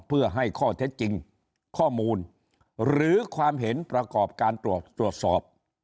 เพื่อให้ข้อเท็จจริงข้อมูลหรือความเห็นประกอบการตรวจสอบ